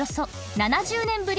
７０年ぶり。